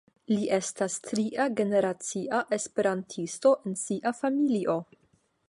Li estas tria-generacia esperantisto en sia familio.